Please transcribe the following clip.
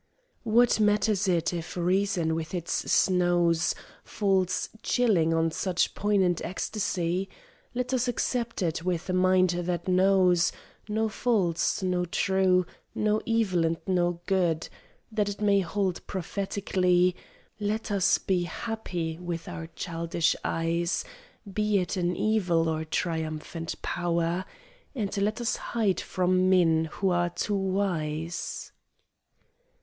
What matters it if reason with its snows Falls chilling on such poignant ecstasy? Let us accept it with a mind that knows No false, no true, no evil and no good That it may hold prophetically; Let us be happy with our childish eyes, Be it an evil or triumphant power; And let us hide from men who are too wise.